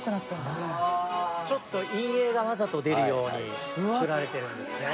ちょっと陰影がわざと出るように作られてるんですね。